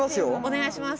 お願いします。